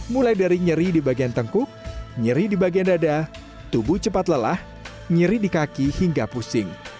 mulai dari nyeri di bagian tengkuk nyeri di bagian dada tubuh cepat lelah nyeri di kaki hingga pusing